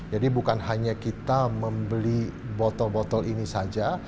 jadi bukan hanya kita membeli botol botol ini saja